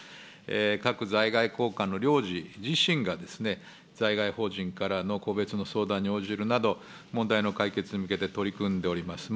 各在外こうかんの領事自身がですね、在外邦人からの個別の相談に応じるなど、問題の解決に向けて取り組んでおります。